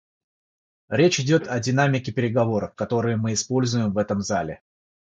Речь идет о динамике переговоров, которую мы используем в этом зале.